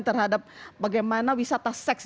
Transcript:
terhadap bagaimana wisata seks